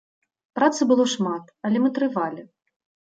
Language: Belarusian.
Працы было шмат, але мы трывалі.